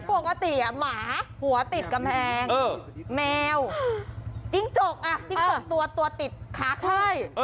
ปกติหัวหัวติดกำแพงแมวจิ้งจกตัวติดขาข้าย